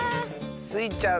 スイちゃん